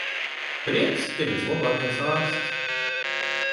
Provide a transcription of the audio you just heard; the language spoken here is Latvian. Prieks ir vislabākais ārsts.